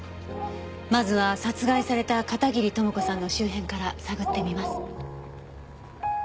まずは殺害された片桐朋子さんの周辺から探ってみます。